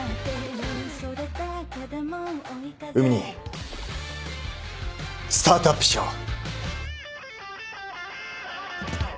海兄スタートアップしよう。